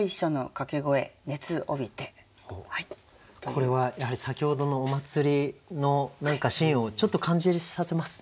これはやはり先ほどのお祭りのシーンをちょっと感じさせますね。